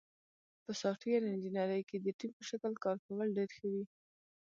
په سافټویر انجینری کې د ټیم په شکل کار کول ډېر ښه وي.